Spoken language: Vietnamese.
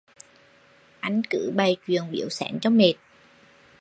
Anh cứ bày chuyện biếu xén cho mệt